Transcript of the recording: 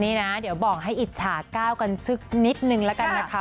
นี่นะเดี๋ยวบอกให้อิจฉาก้าวกันสักนิดนึงแล้วกันนะคะ